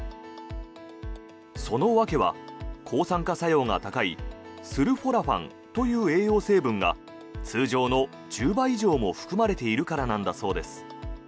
その訳は、抗酸化作用が高いスルフォラファンという栄養成分が通常の１０倍以上も含まれているからなんだそうです。